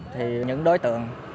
thì những đối tượng